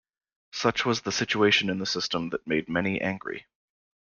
Such was the situation in the system that made many angry.